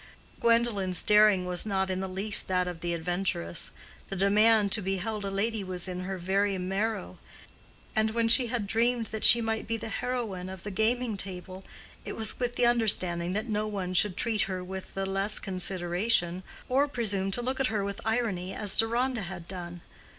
Gwendolen's daring was not in the least that of the adventuress; the demand to be held a lady was in her very marrow; and when she had dreamed that she might be the heroine of the gaming table, it was with the understanding that no one should treat her with the less consideration, or presume to look at her with irony as Deronda had done.